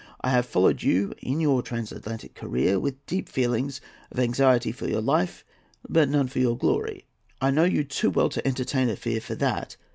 I have followed you in your Transatlantic career with deep feelings of anxiety for your life, but none for your glory: I know you too well to entertain a fear for that.